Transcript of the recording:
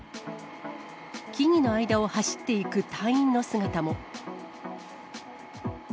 木々の間を走っていく隊員の姿も。